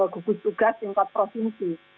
gugur tugas yang terprovinsi